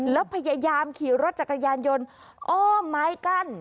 แล้วพยายามขี่รถจักรยานยนต์อ้อมไม้กั้น